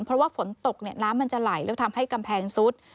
เพราะว่าฝนตกน้ำมันจะไหลแล้วทำให้กำแพงซุด